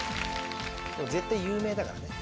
絶対有名だからね。